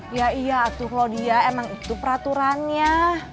iya iya tuh claudia emang itu peraturannya